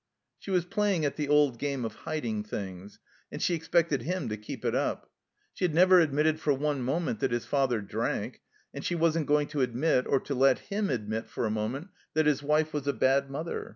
She was playing at the old game of hiding things, and she expected him to keep it up. She had never admitted for one moment that his father drank; and she wasn't going to admit, or to let him admit, for a moment that his wife was a bad mother.